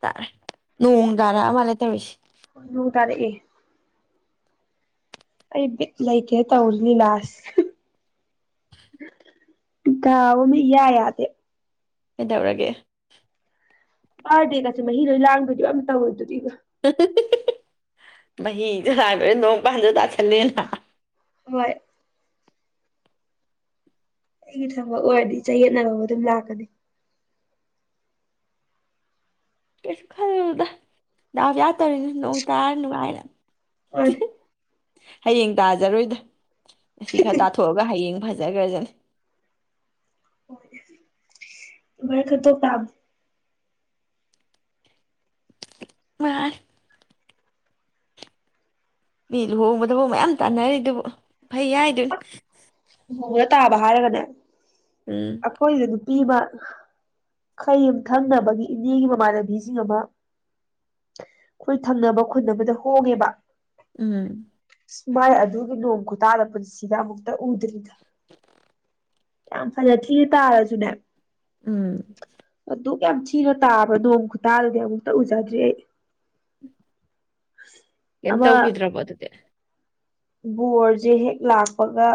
ꯇꯥꯔꯦ ꯅꯣꯡ ꯇꯔꯛꯑ ꯃꯥꯜꯂꯦ ꯇꯧꯔꯤꯁꯦ ꯅꯣꯡ ꯇꯥꯔꯛꯑꯦ ꯑꯩ ꯕꯤꯠ ꯂꯩꯇꯦ ꯇꯧꯔꯤ ꯂꯤꯂꯥꯁꯤ ꯗꯥꯎ ꯑꯃ ꯏꯌꯥ ꯌꯥꯗꯦ ꯀꯩꯗꯧꯔꯒꯦ ꯕꯥꯔꯗꯦꯒꯁꯦ ꯃꯍꯤ ꯂꯣꯏ ꯂꯥꯡꯗꯣꯔꯤꯕ ꯑꯝ ꯇꯧꯋꯤ ꯗꯨꯗꯤ ꯃꯍꯤ ꯆꯥ [unintelligible] ꯅꯣꯡ ꯄꯥꯟꯁꯨ ꯇꯥꯥꯁꯂꯦꯅ ꯍꯣꯏ ꯑꯩꯒꯤ ꯊꯕꯛ ꯑꯣꯏꯔꯗꯤ ꯆꯌꯦꯠꯅꯕ ꯑꯗꯨꯝ ꯂꯥꯛꯀꯅꯤ ꯀꯩꯁꯨ ꯈꯜꯂꯨꯅꯨꯗ ꯗꯥꯎ ꯌꯥ ꯇꯧꯔꯤꯅꯤ ꯅꯣꯡ ꯇꯥꯔ ꯅꯨꯡꯉꯥꯏꯅ ꯃꯥꯅꯤ ꯍꯌꯦꯡ ꯇꯥꯖꯔꯣꯏꯗ ꯉꯁꯤ ꯈꯔ ꯇꯥꯊꯣꯛꯑꯒ ꯍꯌꯦꯡ ꯐꯖꯒ꯭ꯔꯖꯅꯤ ꯑꯃꯥꯏ ꯈꯟꯇꯣꯛ ꯇꯥꯝꯅꯤ [unintelligible] ꯃꯤ ꯂꯨꯍꯣꯡꯕꯗꯐꯥꯎ ꯃꯌꯥꯝ ꯇꯥꯟꯅꯔꯤ ꯑꯗꯨꯕꯨ ꯐꯩ ꯍꯥꯏꯗꯨꯅꯤ ꯂꯨꯍꯣꯡꯕꯗ ꯇꯥꯕ ꯍꯥꯏꯔꯒꯅꯦ ꯎꯝ ꯑꯈꯣꯏꯗ ꯄꯤꯕ ꯈꯣꯏ ꯌꯨꯝꯊꯪꯅꯕꯒꯤ ꯏꯅꯦꯒꯤ ꯃꯃꯥꯟꯅꯕꯤꯁꯤꯡ ꯑꯃ ꯑꯈꯣꯏ ꯊꯪꯅꯕ ꯈꯨꯟ ꯑꯃꯗ ꯍꯣꯡꯉꯦꯕ ꯎꯝ ꯃꯥꯏ ꯑꯗꯨꯒꯤ ꯅꯣꯡ ꯈꯨꯇꯥꯗꯣ ꯄꯨꯟꯁꯤꯗ ꯑꯃꯨꯛꯇ [unintelligible] ꯌꯥꯝ ꯐꯅ ꯊꯤ ꯇꯥꯔꯁꯨꯅꯦ ꯎꯝ ꯑꯗꯨꯛ ꯌꯥꯝ ꯊꯤꯅ ꯇꯥꯕ ꯅꯣꯡ ꯈꯨꯇꯥꯗꯗꯤ ꯑꯃꯨꯛꯇ ꯎꯖꯗ꯭ꯔꯤ ꯑꯩ ꯀꯩꯝ ꯑꯃ ꯇꯧꯈꯤꯗ꯭ꯔꯕꯣ ꯑꯗꯨꯗꯤ ꯕꯣꯔꯁꯦ ꯍꯦꯛ ꯂꯥꯛꯄꯒ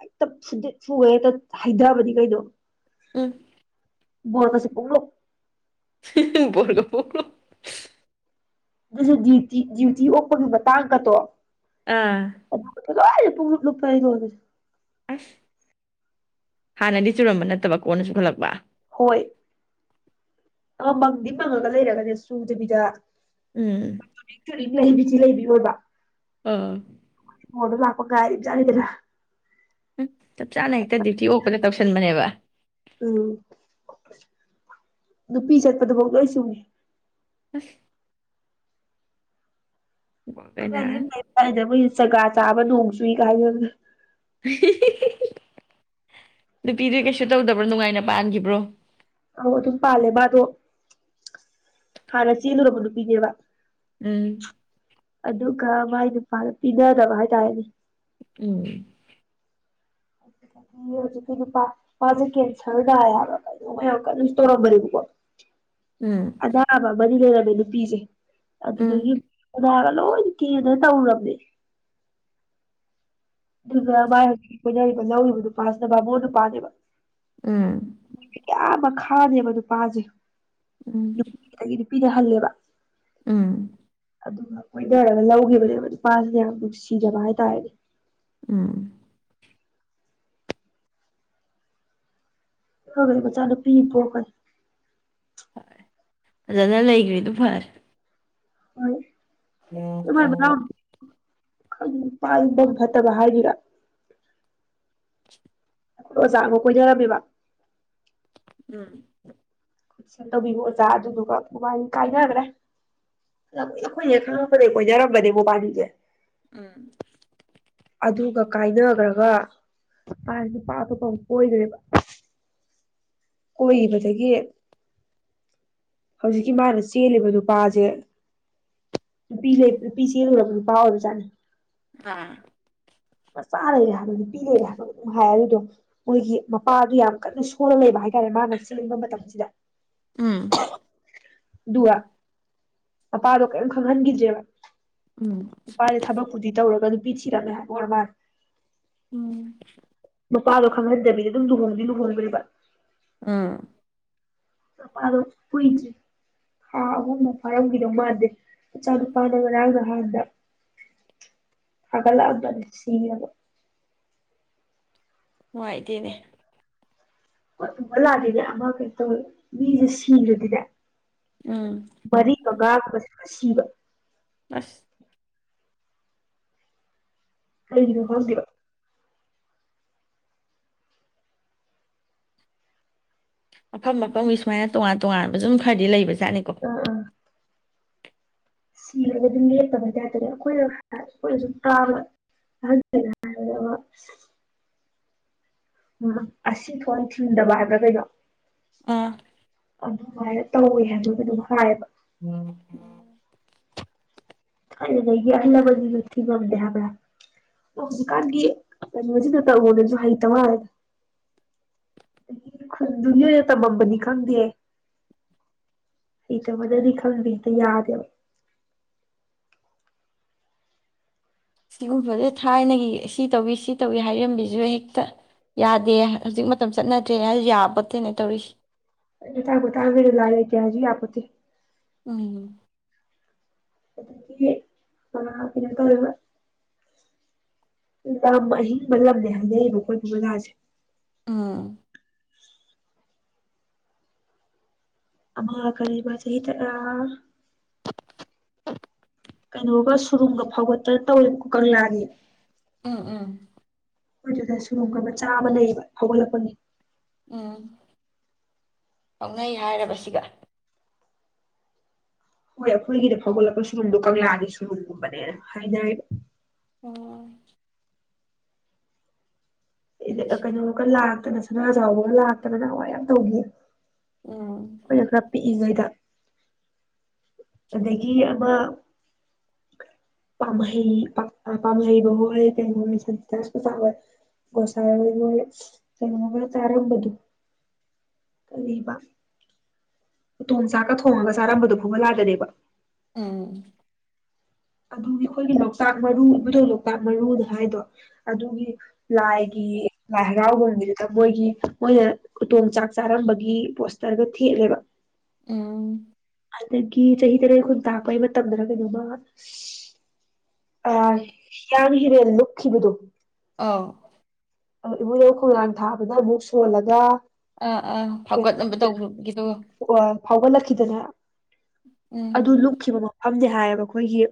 ꯍꯦꯛꯇ ꯐꯨꯗꯤꯠ ꯐꯨꯒꯩ ꯍꯦꯛꯇ ꯍꯩꯊꯕꯅꯤ ꯀꯩꯅꯣ ꯎꯝ ꯕꯣꯔ ꯒꯁꯤ ꯄꯨꯡꯂꯨꯞ ꯕꯣꯔꯒ ꯄꯨꯡꯂꯨꯞ ꯑꯗꯨꯁꯨ ꯗ꯭ꯌꯨꯇꯤ ꯗ꯭ꯌꯨꯇꯤ ꯑꯣꯛꯄꯒꯤ ꯃꯇꯥꯡꯒꯇꯣ ꯑꯥ ꯂꯣꯏꯅ ꯄꯨꯡꯂꯨꯞ ꯂꯨꯞꯅꯦ [unintelligible] ꯑꯁ ꯍꯥꯟꯅꯗꯤ ꯆꯨꯔꯝꯕ ꯅꯠꯇꯕ ꯀꯣꯟꯅ ꯆꯨꯈꯠꯂꯛꯄ ꯑꯣꯏ ꯑ ꯃꯪꯗꯤ ꯃꯪꯉꯒ ꯂꯩꯔꯒꯅꯦ ꯁꯨꯗꯕꯤꯗ ꯎꯝ ꯂꯩꯕꯤꯁꯤ ꯂꯩꯕꯤꯔꯣꯏꯕ ꯑꯥ ꯍꯗ ꯂꯥꯛꯄ ꯒꯥꯔꯤꯖꯅꯤꯒꯔ ꯎ ꯆꯞ ꯆꯥꯅ ꯍꯦꯛꯇ ꯗ꯭ꯌꯨꯇꯤ ꯑꯣꯛꯄꯗ ꯇꯧꯁꯟꯕꯅꯦꯕ ꯎꯝ ꯅꯨꯄꯤ ꯆꯠꯄꯗꯕꯥꯎ ꯐꯥꯎ ꯂꯣꯏ ꯆꯨꯡꯉꯤ ꯑꯁ ꯀꯩꯅ ꯈꯗꯤ ꯗꯝ ꯂꯩꯕꯖꯥꯠꯅꯤꯗ ꯖꯒꯥ ꯆꯥꯕ ꯅꯣꯡ ꯆꯨꯏ ꯀꯥꯏꯗꯅꯦ ꯑ ꯍꯤꯍꯤꯍꯤ ꯅꯨꯄꯤꯗꯨ ꯀꯩꯁꯨ ꯇꯧꯗꯕ꯭ꯔꯣ ꯅꯨꯡꯉꯥꯏꯅ ꯄꯥꯟꯈꯤꯕ꯭ꯔꯣ ꯑꯧ ꯑꯗꯨꯝ ꯄꯥꯜꯂꯦ ꯃꯥꯗꯣ ꯍꯥꯟꯅ ꯆꯦꯜꯂꯨꯔꯕ ꯅꯨꯄꯤꯅꯦꯕ ꯎꯝ ꯑꯗꯨꯒ ꯃꯥꯢ ꯄꯤꯅꯗꯕ ꯍꯥꯏꯇꯥꯔꯦꯅꯦ ꯎꯝ ꯑꯗꯨꯗꯤ ꯍꯧꯖꯤꯛꯀꯤ ꯅꯨꯄꯥ ꯅꯨꯄꯥꯁꯦ ꯀꯦꯟꯁꯔ ꯇꯕ꯭ꯔꯥ ꯀꯩꯅꯣ ꯃꯌꯥꯝ ꯀꯩꯅꯣꯁꯨ ꯇꯧꯔꯝꯕꯅꯦꯕꯀꯣ ꯎꯝ ꯑꯅꯥꯕꯃꯗꯤ ꯂꯩꯔꯝ ꯅꯨꯄꯤꯁꯦ ꯑꯗꯨꯗꯒꯤꯗꯒꯤ ꯂꯣꯏ ꯀꯦꯅ ꯇꯧꯔꯕꯝꯃꯦ ꯑꯗꯨꯒ ꯃꯥꯢ ꯍꯧꯖꯤꯛꯀꯤ ꯂꯧꯔꯤꯕ ꯅꯨꯄꯥꯁꯤꯅ ꯕꯥꯃꯣꯟ ꯅꯨꯄꯥꯅꯦꯕ ꯎꯝ ꯊꯥꯅꯦꯕ ꯅꯨꯄꯥꯁꯦ ꯎꯝ ꯄꯤꯅ ꯍꯜꯂꯦꯕ ꯎꯝ ꯑꯗꯨꯒ ꯀꯣꯏꯅꯔꯒ ꯂꯧꯈꯤꯕꯅꯦꯕ ꯅꯨꯄꯥꯁꯤꯅ ꯌꯥꯝ ꯅꯨꯡꯁꯤꯖꯕ ꯍꯥꯏꯇꯥꯔꯦꯅꯦ ꯎꯝ ꯂꯧꯒ꯭ꯔꯦ ꯃꯆꯥ ꯅꯨꯄꯤꯃ ꯄꯣꯛꯈ꯭ꯔꯦ ꯍꯣꯏ ꯐꯖꯅ ꯂꯩꯈ꯭ꯔꯤꯗꯨ ꯐꯔꯦ ꯍꯣꯢ ꯑꯣ ꯑꯣ ꯈꯪꯗꯦ ꯅꯨꯄꯥꯗꯣ [unintelligible] ꯐꯠꯇꯕ ꯍꯥꯏꯗꯣꯢꯔ ꯑꯩꯈꯣꯢ ꯑꯣꯖꯥꯃ ꯀꯣꯢꯅꯔꯝꯃꯦꯕ ꯎꯝ ꯈꯨꯠ ꯇꯧꯕꯤꯌꯣ ꯑꯣꯖꯥ ꯑꯗꯨꯗꯨꯒ ꯥꯏ ꯀꯥꯏꯅꯒ꯭ꯔꯦ ꯑ ꯑꯩꯈꯣꯏꯅ ꯈꯪꯉꯛꯄꯗꯩ ꯀꫭꯏꯅꯔꯝꯕꯅꯦ ꯃꯕꯥꯅꯤꯁꯦ ꯎꯝ ꯑꯗꯨꯒ ꯀꯥꯏꯅꯒ꯭ꯔ ꯒ ꯃꯥ ꯅꯨꯄꯥ ꯑꯇꫭꯞꯄ ꯀꫭꯏꯒ꯭ꯔꯦꯕ ꯀꯣꯏꯒꯤꯕꯗꯒꯤ ꯍꯧꯖꯤꯛꯀꯤ ꯃꯥꯅ ꯆꯦꯜꯂꯤꯕ ꯅꯨꯄꯥꯁꯦ ꯅꯨꯄꯤ ꯂꯩ ꯅꯨꯄꯤ ꯆꯦꯜꯂꯨꯔꯕ ꯅꯨꯄꯥ ꯑꯣꯏꯕ ꯖꯥꯠꯅꯤ ꯑ ꯃꯆꯥ ꯂꯩꯔꯦ ꯍꯥꯏꯕ ꯅꯨꯄꯤ ꯂꯩꯔꯦ ꯍꯥꯏꯕ [unintelligible] ꯍꯥꯏ ꯑꯗꯨꯗꯣ ꯃꯣꯏꯒꯤ ꯃꯄꯥꯗꯨ ꯌꯥꯝ ꯀꯟꯅ ꯁꯣꯜꯂ ꯂꯩꯕ ꯍꯥꯏꯇꯥꯔꯦ ꯃꯥꯅ ꯆꯪꯕ ꯃꯇꯝꯁꯤꯗ ꯎꯝ ꯗꯨꯒ ꯃꯄꯥꯗꯣ ꯀꯩꯝ ꯈꯪꯍꯟꯒꯤꯗ꯭ꯔꯦꯕ ꯎꯝ [inaudible] ꯅꯨꯄꯥꯁꯦ ꯊꯕꯛꯄꯨꯗꯤ ꯇꯧꯔꯒ ꯗꯨꯝ ꯕꯤ ꯊꯤꯔꯝꯃꯦ ꯍꯥꯏ ꯑꫭꯏꯔ ꯃꯥꯜꯂꯦ ꯎꯝ ꯃꯄꯥꯥ ꯈꯪꯍꯟꯗꯕꯤꯗ ꯑꯗꯨꯝ ꯂꯨꯍꯣꯡꯗꯤ ꯂꯨꯍꯣꯡꯒ꯭ꯔꯦꯕ ꯑꯥ ꯃꯄꯥꯗꫭ ꯀꯨꯏꯗ꯭ꯔꯤ ꯊꯥ ꯑꯍꯨꯝ ꯃꯨꯛ ꯐꯥꯔꯝꯒꯤꯗꯧ ꯃꯥꯟꯗꯦ ꯃꯆꯥ ꯅꯨꯨꯄꯥꯗꫭ ꯉꯔꯥꯡ ꯅꯍꯥꯟꯗ ꯊꯥꯒꯠ ꯂꯛ ꯑꯕ ꯖꯥꯠꯅꯤ ꯁꯤꯔꯕ ꯅꯨꯡꯉꯥꯏꯇꯦꯅꯦ ꯐꯨꯕꯥꯂꯥꯗꯤꯅꯦ ꯑꯃ ꯀꯩꯅꫭ ꯇꯧꯕ ꯃꯤꯁꯦ ꯁꯤꯔꯗꯤꯅꯦ ꯎꯝ ꯁꯤꯕ ꯑꯁ ꯀꯩꯒꯤꯅꫭ ꯈꯪꯗꯦꯕ ꯃꯐꯝ ꯃꯐꯝꯒꯤ ꯁꯨꯃꯥꯏꯅ ꯇꯣꯉꯥꯟ ꯇꯣꯉꯥꯟꯕ ꯁꯨꯝ ꯈꯔꯗꯤ ꯂꯩꯕ ꯖꯥꯠꯅꯤꯀꯣ ꯑ ꯑ ꯁꯤꯔꯒ ꯑꯗꯨꯝ ꯂꯦꯞꯇꯕꯩ ꯇꯥꯏꯞꯇꯀꫭ ꯑꯩꯈꯣꯏꯅ [inaudible] ꯑꯩꯈꯣꯏꯅ ꯁꯨꯝ ꯇꯥꯕꯗ ꯑꯍꯟꯅꯁꯤꯅ ꯍꯥꯏꯕꯗ ꯑꯃ ꯎꯝ ꯑꯁꯤ ꯊꯣꯡ ꯊꯤꯟꯗꯕ ꯍꯥꯏꯕ꯭ꯔꯥ ꯀꯩꯩꯅꯣ ꯑꯥ ꯑꯗꯨꯃꯥꯏꯅ ꯇꯧꯋꯦ ꯍꯥꯏꯕ꯭ꯔ ꯀꯩꯅꫭꯝ ꯍꯥꯏꯑꯕ ꯎꯝ ꯊꯥꯏꯅꯉꯩꯒꯤ ꯑꯍꯜ ꯂꯃꯟꯖꯤꯡꯅ ꯊꯤꯉꯝꯗꯦ ꯍꯥꯏꯕ꯭ꯔꯥ ꯇꯣ ꯍꯧꯖꯤꯛꯀꯥꯟꯒꯤ ꯀꯩꯅꯣꯖꯤꯗ ꯇꯧꯕꯣꯗꯁꯨ ꯍꯩꯇ ꯃꯥꯜꯂꯦꯗ ꯗꯒꯤ ꯈꯨꯟꯗꯨꯒꯤ ꯑꯣꯏꯅ ꯇꯝꯃꯝꯕꯅꯤ ꯈꯪꯗꯦ ꯍꯩꯇꯕꯗꯗꯤ ꯈꯪꯗꯦꯗ ꯌꯥꯗꯦꯕ ꯁꯤꯒꯨꯝꯕꯖꯦ ꯊꯥꯏꯅꯒꯤ ꯁꯤ ꯇꯧꯏꯤ ꯁꯤ ꯇꯧꯏꯤ ꯍꯥꯏꯔꯝꯕꯤꯖꯨ ꯍꯦꯛꯇ ꯌꯥꯗꯦ ꯍ ꯍꯧꯖꯤꯛ ꯃꯇꯝ ꯆꯠꯅꯗ꯭ꯔꯦ ꯍꯥꯏ ꯌꯥꯕꯠꯇꯦꯅ ꯇꯧꯔꯤꯁꯤ ꯑꯩ ꯂꯤꯇꯥ ꯄꯨꯇꯅꯒ ꯂꯥꯏ ꯂꯩꯇꯦ ꯍꯥꯏꯖꯨ ꯌꯥꯄꯣꯇꯦ ꯎꯝ ꯑꯗꯒꯤ ꯑ ꯀꯩꯅꯣ ꯇꯧꯌꯦꯕ ꯂꯝ ꯑꯍꯤꯡꯕ ꯂꯝꯅꯦ ꯍꯥꯏꯅꯩꯕ ꯈꯣꯏ ꯄꯨ ꯕꯖꯥꯖꯦ ꯎꯝ ꯑꯃ ꯀꯔꯤꯕꯥ ꯆꯍꯤ ꯇꯔꯥ ꯀꯩꯅꯣꯒ ꯁꯨꯔꯨꯡꯒ ꯐꯥꯎꯒꯠꯇ ꯇꯧꯋꯦ ꯀꯨ ꯀꯪꯂꯥꯒꯤ ꯎꯝ ꯎꯝ ꯃꯗꯨꯗ ꯁꯨꯔꯨꯡꯀ ꯃꯆꯥ ꯑꯃ ꯂꯩꯕ ꯍꯧꯒꯣꯠꯂꯛꯄꯒꯤ ꯎꯝ ꯀꯛꯅꯩ ꯍꯥꯏꯔꯕ ꯁꯤꯒ ꯍꯣꯏ ꯑꯈꯣꯏꯒꯤꯗ ꯐꯧꯒꯠꯂꯛꯄ ꯁꯨꯔꯨꯡꯗꯣ ꯀꯪꯂꯥꯒꯤ ꯁꯨꯔꯨꯡꯒꯨꯝꯕꯅꯦ ꯑꯣ ꯑꯦꯗꯦꯛ ꯑ ꯏꯁꯨ ꯀꯩꯅꯣꯒ ꯂꯥꯛꯇꯅꯁ ꯁꯅꯥ ꯖꯧꯕꯒ ꯂꯥꯛꯇꯅ ꯅꯍꯋꯥꯏ ꯌꯥꯝ ꯇꯧꯒꯤꯌꯦ ꯎꯝ ꯈꯣꯏꯅ ꯈꯔ ꯄꯤꯛꯏꯉꯩꯗ ꯑꯗꯒꯤ ꯑꯃ ꯄꯥꯝꯍꯩ ꯄꯝ ꯑ ꯄꯥꯥꯝꯍꯩꯕ ꯍꯣꯏ ꯀꯩꯅꯣꯏ ꯁꯟꯇ ꯀꯣꯆꯛ ꯍꯣꯏ ꯒꯣꯁꯥꯏꯍꯣꯏ ꯃꯣꯏ ꯀꯩꯅꯣꯒ ꯆꯥꯔꯝꯕꯗꯨ ꯀꯔꯤꯕ ꯎꯊꯣꯟ ꯆꯥꯛꯀ ꯊꯣꯡꯉꯒ ꯆꯥꯔꯝꯕꯗꯣ ꯋꯣꯂꯗꯅꯦꯕ ꯎꯝ ꯑꯗꯨꯒꯤ ꯈꯣꯏꯒꯤꯂꯧ ꯆꯥꯛ ꯃꯔꯨꯝꯕꯥꯗꯣ ꯃꯣꯛꯇꯛ ꯃꯔꯨꯅ ꯍꯥꯏꯗꯣ ꯑꯗꯨꯒꯤ ꯂꯩꯒꯤ ꯂꯥꯏꯍꯔꯥꯎꯕ ꯃꯤꯊꯝ ꯃꯣꯏꯒꯤ ꯃꯣꯏꯅ ꯎꯇꯣꯟ ꯆꯥꯛ ꯆꯥꯔꯝꯕꯒꯤ ꯄꯣꯁꯇꯔꯒ ꯊꯦꯠꯂꯦꯕ ꯎꯝ ꯑꯗꯒꯤ ꯆꯍꯤ ꯇꯔꯦ ꯈꯨꯨꯟ ꯇꯥꯛꯄꯩ ꯃꯇꯝꯗꯅ ꯀꯩꯅꯣꯝꯃ ꯑ ꯍꯤꯌꯥꯡ ꯍꯤꯔꯦꯟ ꯂꯨꯞ ꯊꯤꯕꯗꯣ ꯑꯥ ꯑ ꯏꯕꯨꯗꯧ ꯈꯣꯡꯅꯥꯡ ꯊꯥ ꯕꯥꯅ ꯑꯃꯨꯛ ꯁꯣꯜꯂꯒ ꯑꯥ ꯑꯥ ꯐꯧꯒꯠꯅꯕ ꯀꯩꯅꯣ ꯇꯧꯒ꯭ꯔꯞ ꯒꯤꯗꯣ ꯐꯥꯎꯒꯠꯂꯛꯈꯤꯗꯅ ꯑꯗꯨ ꯎꯝ ꯂꯨꯞꯈꯤꯕ ꯃ ꯐꯝꯗꯤ ꯍꯥꯏꯌꯦꯕ ꯑꯩꯈꯣꯏꯒꯤ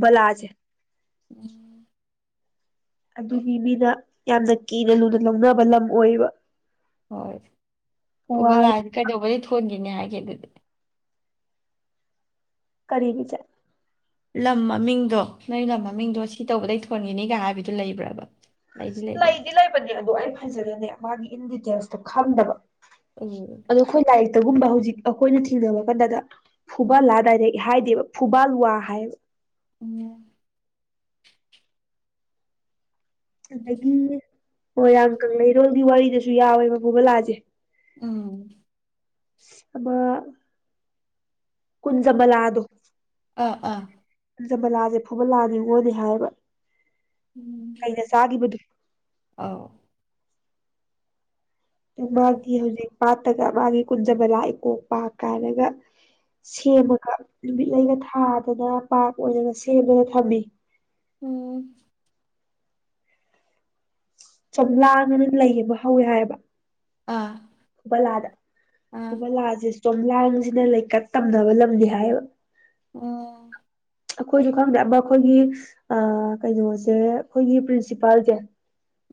ꯄꯂꯥꯖꯦ ꯎꯝ ꯑꯗꯨꯒꯤ ꯃꯤꯅ ꯌꯥꯝꯅ ꯀꯤꯅ ꯂꯨꯅ ꯂꯧꯅꯕ ꯂꯝ ꯑꯣꯏꯌꯦꯕ ꯍꯣꯏ ꯐꯨꯕꯂꯥ ꯀꯩꯗꯧꯕꯗꯩ ꯊꯣꯟ ꯒꯤꯅꯦ ꯍꯥꯏꯒꯦ ꯗ ꯀꯔꯤꯒꯤ ꯆꯦ ꯂꯝ ꯃꯃꯤꯡꯗꯣ ꯅꯣꯏ ꯂꯝ ꯃꯃꯤꯡꯗꯣ ꯁꯤ ꯇꯧꯕꯗꯩ ꯊꯣꯟꯒꯤꯅꯤꯒ ꯍꯥꯏꯕꯗꯨ ꯂꯩꯕ꯭ꯔꯕ ꯂꯩꯗꯤ ꯂꯩꯕꯅꯦ ꯑꯗꯣ ꯑꯩ ꯈꯟꯕꯗꯅꯦ ꯃꯥꯒꯤ ꯏꯟ ꯗꯤꯇꯦꯜꯁꯇꯣ ꯈꯪꯗꯕ ꯎꯝ ꯑꯗꯣ ꯑꯩꯈꯣꯏ ꯂꯥꯏꯛ ꯇꯒꯨꯝꯕ ꯍꯧꯖꯤꯛ ꯑꯩꯈꯣꯏꯅ ꯊꯤꯅꯕ ꯀꯥꯟꯗꯗ ꯐꯨꯕꯥꯂꯥ ꯗꯥꯏꯔꯦꯛ ꯍꯥꯏꯗꯦꯕ ꯐꯨꯕꯥꯜꯋꯥ ꯍꯥꯏꯌꯦꯕ ꯎꯝ ꯑꯗꯒꯤ ꯃꯣꯏꯔꯥꯡ ꯀꯪꯂꯩꯔꯣꯜꯒꯤ ꯋꯥꯔꯤ ꯁꯤꯗꯁꯨ ꯌꯥꯎꯋꯦꯕ ꯐꯨꯕꯂꯥꯖꯦ ꯎꯝ ꯑꯃꯃ ꯀꯨꯟꯖꯕꯂꯥꯗꯣ ꯑꯥ ꯑꯥ ꯖꯕꯂꯥꯁꯦ ꯐꯨꯕꯂꯥ ꯅꯤꯡꯉꯣꯜꯅꯦ ꯍꯥꯏꯌꯦꯕ ꯀꯩꯅ ꯆꯥꯈꯤꯕꯗꯣ ꯑꯧ ꯃꯥꯒꯤ ꯍꯧꯖꯤꯛ ꯄꯥꯠꯇꯒ ꯃꯥꯒꯤ ꯀꯨꯟꯖꯕꯂꯥꯏ ꯀꯣꯡ ꯄꯥ ꯀꯥꯏꯅꯒ ꯁꯦꯝꯃꯒ ꯅꯨꯃꯤꯠꯂꯩꯒ ꯊꯥꯗꯅ ꯄꯥꯛ ꯑꯣꯏꯅꯒ ꯁꯦꯝꯗꯅ ꯊꯝꯃꯤ ꯎꯝ ꯆꯝꯂꯥꯡ ꯑꯅ ꯂꯩ ꯑꯃ ꯍꯧꯋꯦ ꯍꯥꯏꯌꯦꯕ ꯑꯥ ꯐꯨꯕꯂꯥꯗ ꯑꯥ ꯐꯨꯕꯜꯂꯥꯥꯁꯦ ꯆꯣꯝꯂꯥꯡ ꯁꯤꯅ ꯂꯩꯀꯠ ꯇꯝꯅꯕ ꯂꯝꯅꯤ ꯍꯥꯏꯌꯦꯕ ꯎꯝ ꯑꯈꯣꯏꯁꯨ ꯈꯪꯗꯦ ꯑꯃ ꯑꯩꯈꯣꯏꯒꯤ ꯑ ꯀꯩꯅꯣꯁꯦ ꯑꯩꯈꯣꯏꯒꯤ ꯄ꯭ꯔꯤꯟꯁꯤꯄꯥꯜꯖꯦ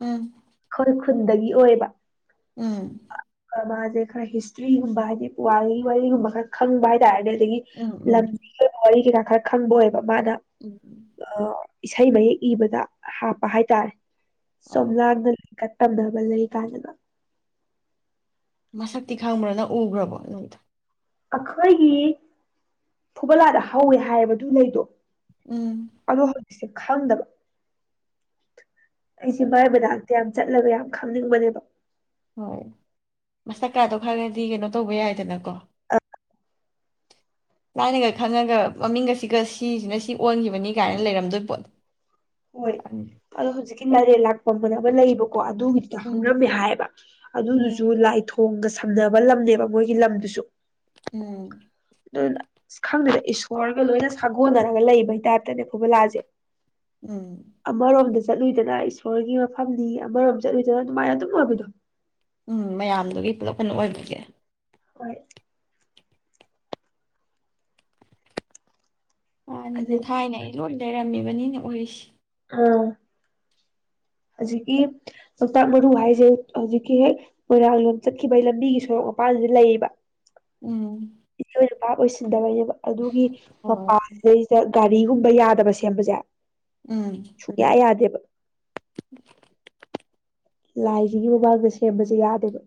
ꯎꯝ ꯈꯣꯏ ꯈꯨꯟꯗꯒꯤ ꯑꯣꯏꯕ ꯎꯝ ꯑ ꯑꯃꯥꯁꯤ ꯑꯗꯩ ꯈꯔ ꯍꯤꯁꯇ꯭ꯔꯤꯒꯨꯝꯕ ꯍꯥꯏꯗꯤ ꯄꯨꯋꯥ ꯋꯥꯔꯤꯒꯨꯝꯕ ꯈꯔ ꯈꯪꯕ ꯍꯥꯏꯇꯥꯔꯦꯅꯦ ꯁꯤꯒꯤ ꯎꯝ ꯎꯝ ꯂꯕꯤ ꯍꯏ ꯔ ꯈꯔ ꯈꯪꯕꯣꯏ ꯃꯥꯗ ꯎꯝ ꯑ ꯏꯁꯩ ꯃꯌꯦꯛ ꯏꯕꯗ ꯍꯥꯞꯄ ꯍꯥꯏꯇꯥꯔꯦ ꯆꯣꯝ ꯑꯧ ꯂꯥꯡꯗ ꯀ ꯇꯗꯕ ꯂꯩ ꯀꯥꯗꯅ ꯃꯁꯛꯇꯤ ꯈꯪꯕ꯭ꯔ ꯅꯪ ꯎꯈ꯭ꯔꯕꯣ ꯅꯪ ꯑꯩꯈꯣꯏꯒꯤ ꯐꯨꯕꯂꯥꯗ ꯍꯧꯋꯦ ꯍꯥꯏꯕ ꯑꯗꯨ ꯂꯩꯩꯗꯣ ꯎꯝ ꯁꯦ ꯈꯪꯗꯕ ꯑꯩꯁꯤ ꯃꯥꯏ ꯃꯅꯥꯛꯇ ꯌꯥꯝ ꯆꯠꯂꯒ ꯌꯥꯝ ꯈꯪꯅꯤꯡꯕꯅꯦꯕ ꯍꯣꯏ ꯃꯁꯛꯀꯥꯗꯣ ꯈꯪꯉꯗꯤ ꯀꯩꯅꯣ ꯇꯧꯕ ꯌꯥꯏꯗꯅꯀꯣ ꯂꯥꯏꯅꯒ ꯈꯪꯉꯒ ꯃꯃꯤꯡꯒꯁꯤꯒ ꯁꯤꯁꯤꯅ ꯁꯤ ꯑꯣꯟꯈꯤꯕꯅꯤ ꯀꯥꯏꯅ ꯂꯩꯔꯝꯗꯣꯏ ꯄꯣꯠꯅꯤ ꯍꯣꯏ ꯑꯗꯣ ꯍꯧꯖꯤꯛꯀꯤ ꯂꯥꯏꯔꯦꯟ ꯂꯥꯛꯄꯝꯅ ꯑꯃ ꯂꯩꯕ ꯑꯗꯨꯒꯤ ꯎꯝ ꯍꯧꯔꯝꯃꯦ ꯍꯥꯏꯌꯦꯕ ꯑꯗꯨꯒꯤꯁꯨ ꯂꯥꯏꯊꯣꯡꯒ ꯁꯝꯅꯕ ꯂꯝꯅꯦꯕ ꯃꯣꯏꯒꯤ ꯂꯝꯗꯨꯁꯨ ꯎꯝ ꯑꯗꯨꯅ ꯑꯁ ꯈꯪꯗꯦꯗ ꯏꯁꯣꯔꯒ ꯂꯣꯏꯅ ꯁꯥꯒꯣꯟꯅꯔꯒ ꯂꯩꯕꯩ ꯇꯥꯏꯞꯇꯅꯦ ꯐꯨꯕꯂꯥꯁꯦ ꯎꯝ ꯑꯃꯔꯣꯝꯗ ꯆꯠꯂꯨꯏꯗꯅ ꯑꯩꯁꯨ ꯏꯁꯣꯔꯒꯤ ꯃꯐꯝꯗꯤ ꯑꯃꯔꯣꯝ ꯆꯠꯂꯨꯏꯗꯅ ꯑꯗꯨꯃꯥꯏꯅ ꯑꯗꯨꯝ ꯑꯣꯏꯕꯗꯣ ꯎꯝ ꯃꯌꯥꯝꯗꯨꯒꯤ ꯄꯨꯂꯞ ꯀꯩꯅꯣ ꯑꯣꯏꯕꯤꯒꯦ ꯍꯣꯏ ꯃꯥꯅꯦ ꯑꯗꯒꯤ ꯊꯥꯏꯅꯦ ꯑꯩ ꯂꯣꯏ ꯑꯣꯏꯔꯝꯃꯤꯕꯅꯤꯅꯦ ꯑꯣꯏꯔꯤꯁꯤ ꯑ ꯍꯧꯖꯤꯛꯀꯤ ꯂꯣꯛꯇꯥꯛ ꯃꯔꯨ ꯍꯥꯏꯁꯦ ꯍꯧꯖꯤꯛꯀꯤ ꯍꯦꯛ ꯃꯣꯏꯔꯥꯡ ꯂꯣꯝ ꯆꯠꯈꯤꯕꯒꯤ ꯂꯝꯕꯤꯒꯤ ꯁꯣꯔꯣꯛ ꯃꯄꯥꯟꯁꯤꯗ ꯂꯩꯌꯦꯕ ꯎꯝ ꯕꯥꯞ ꯑꯣꯏꯁꯤꯟꯗꯕꯩ ꯑꯗꯨꯒꯤ ꯍꯣꯏ ꯃꯄꯥꯁꯤꯗꯩꯁꯤꯗ ꯒꯥꯔꯤꯒꯨꯝꯕ ꯌꯥꯗꯕ ꯁꯦꯝꯕꯁꯦ ꯎꯝ ꯁꯨꯡꯌꯥ ꯌꯥꯗꯦꯕ ꯂꯥꯏꯁꯤꯒꯤ ꯃꯃꯥꯡꯗ ꯁꯦꯝꯕꯁꯦ ꯌꯥꯗꯦꯕ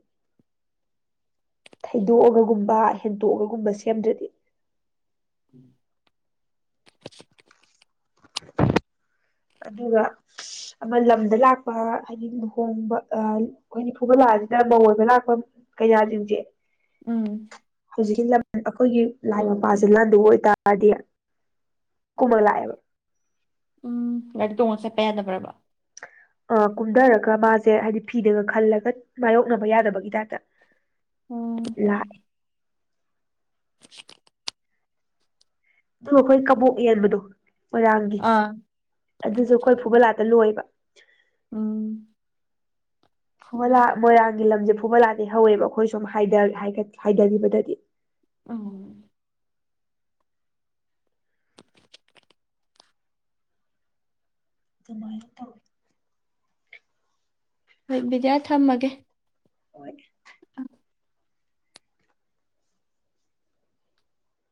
ꯊꯩꯗꯣꯛꯑꯒ ꯒꯨꯝꯕ ꯍꯦꯟꯇꯣꯛꯑꯒꯨꯝꯕ ꯁꯦꯝꯗ꯭ꯔꯗꯤ ꯎꯝ ꯑꯗꯨꯒ ꯑꯃ ꯂꯝꯗ ꯂꯥꯛꯄ ꯍꯥꯏꯗꯤ ꯂꯨꯍꯣꯡꯕ ꯑ ꯑꯩꯈꯣꯏꯒꯤ ꯐꯨꯕꯂꯥꯁꯤꯗ ꯃꯧ ꯑꯣꯏꯕ ꯂꯥꯛ ꯑꯝ ꯀꯩꯌꯥꯥꯁꯤꯡꯁꯦ ꯎꯝ ꯍꯧꯖꯤꯛꯀꯤ ꯂꯝ ꯑꯩꯈꯣꯏꯒꯤ ꯂꯥꯏ ꯃꯄꯥꯁꯦ ꯂꯥꯟꯗ ꯑꯣꯏꯇꯥꯔꯗꯤ ꯀꯏꯝꯃ ꯂꯛ ꯑꯕ ꯎꯝ ꯒꯥꯔꯤ ꯇꯣꯡꯉ ꯆꯦꯠꯄ ꯌꯥꯗꯕ꯭ꯔꯕ ꯑ ꯀꯨꯝꯊꯔꯒ ꯃꯥꯁꯦ ꯍꯥꯏꯗꯤ ꯐꯤꯗꯒ ꯈꯜꯂꯒ ꯃꯥꯥꯏꯌꯣꯛꯅꯕ ꯌꯥꯗꯕꯒꯤ ꯇꯥꯏꯞꯇ ꯎꯝ ꯂꯥꯛꯑꯦ ꯑꯗꯨ ꯑꯩꯈꯣꯏ ꯀꯕꯣꯛ ꯌꯦꯟꯕꯗꯣ ꯃꯣꯏꯔꯥꯡꯒꯤ ꯑꯥ ꯑꯗꯨꯁꯨ ꯑꯩꯈꯣꯏ ꯐꯨꯕ ꯂꯥꯠꯇ ꯂꯣꯏꯕ ꯎꯝ ꯐꯨꯕꯂꯥ ꯃꯣꯏꯔꯥꯡꯒꯤ ꯂꯝꯁꯦ ꯐꯨꯕ ꯂꯥꯟꯗꯩ ꯍꯧꯋꯦꯕ ꯑꯩꯈꯣꯏ ꯁꯨꯝ ꯍꯥꯏꯊꯈꯤꯕꯗꯗꯤ ꯑ ꯑꯗꯨꯃꯥꯏꯅ ꯇꯧꯋꯤ ꯍꯣꯏ ꯕꯤꯗꯤꯌꯥ ꯊꯝꯃꯒꯦ ꯍꯣꯏ ꯎꯝ